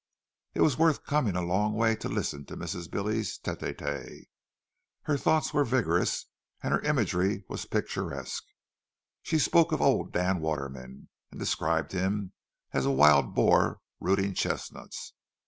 It was worth coming a long way to listen to Mrs. Billy tête à tête; her thoughts were vigorous, and her imagery was picturesque. She spoke of old Dan Waterman, and described him as a wild boar rooting chestnuts.